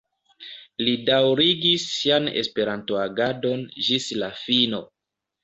Li daŭrigis sian Esperanto-agadon ĝis la fino.